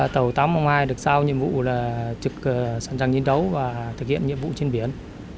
tàu tám nghìn hai được giao nhiệm vụ là trực sẵn sàng chiến đấu và thực hiện nhiệm vụ trên biển